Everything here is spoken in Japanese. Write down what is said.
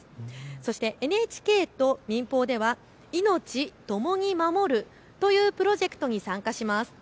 そしてＮＨＫと民放ではいのちともに守るというプロジェクトに参加します。